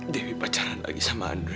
dewi pacaran lagi sama andre